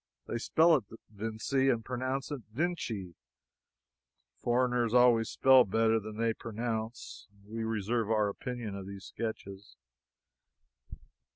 (They spell it Vinci and pronounce it Vinchy; foreigners always spell better than they pronounce.) We reserve our opinion of these sketches.